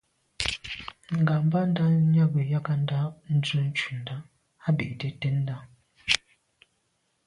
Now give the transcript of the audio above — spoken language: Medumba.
Ŋgàbándá nyâgə̀ ják á ndɑ̌’ ndzwə́ ncúndá á bì’də̌ tɛ̌ndá.